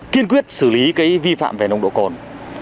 kiên quyết xử lý cái vi phạm về nông độ cồn